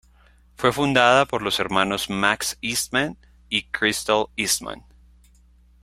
Fue fundada por los hermanos Max Eastman y Crystal Eastman.